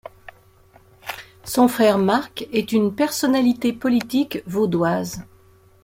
Son frère Marc est une personnalité politique vaudoise.